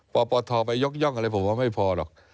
ปปทไปยกย่องอะไรผมว่าไม่พอหรอก